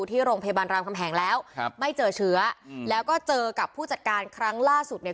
ที่โรงพยาบาลรามคำแหงแล้วครับไม่เจอเชื้อแล้วก็เจอกับผู้จัดการครั้งล่าสุดเนี่ย